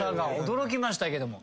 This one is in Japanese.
驚きましたけども。